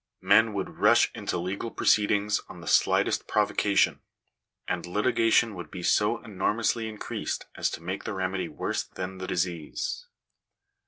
Men would rush into legal proceedings on the slightest provocation ; and litigation would be so enormously increased as to make the remedy worse than the disease."